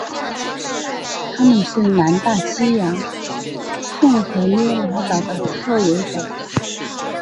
它们是南大西洋圣赫勒拿岛的特有种。